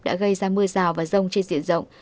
đã gây ra mưa rào và rông trên diện rộng